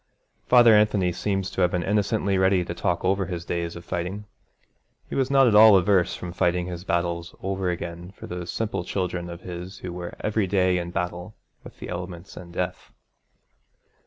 Father Anthony seems to have been innocently ready to talk over his days of fighting. He was not at all averse from fighting his battles over again for these simple children of his who were every day in battle with the elements and death.